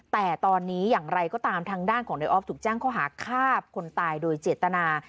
แต่ตอนนี้อย่างไรก็ตามทางด้านของนายออฟถูกแจ้งข้อหาฆ่าคนตายโดยเจตนา